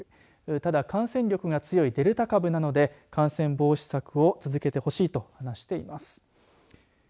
ただ感染力が強いデルタ株なので感染防止策を続けてほしいと話しています。